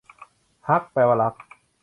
ฮัก แปลว่า รัก